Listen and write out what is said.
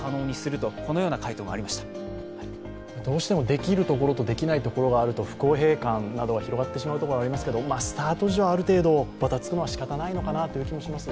できるところとできないところがあると不公平感などは広がってしまうところはありますけれども、スタート時はある程度ばたつくのはしかたないのかなという気もします。